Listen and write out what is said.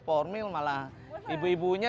formil malah ibu ibunya